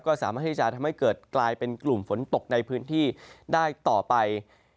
ก็สามารถที่จะทำให้เกิดกลายเป็นกลุ่มฝนตกในพื้นที่ได้ต่อไป